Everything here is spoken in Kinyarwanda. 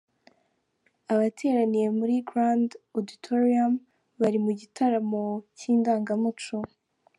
Abateraniye muri Grand Auditorium bari mu gitaramo cy’Indangamuco.